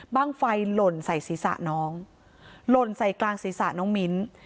ไฟหล่นใส่ศีรษะน้องหล่นใส่กลางศีรษะน้องมิ้น